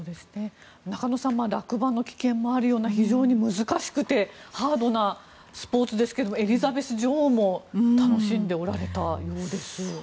中野さん落馬の危険もあるような非常に難しくてハードなスポーツですけどもエリザベス女王も楽しんでおられたようです。